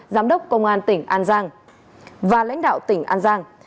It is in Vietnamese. giám đốc công an tỉnh an giang và lãnh đạo tỉnh an giang